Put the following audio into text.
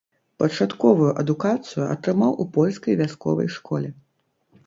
Пачатковую адукацыю атрымаў у польскай вясковай школе.